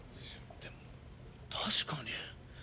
でも確かに。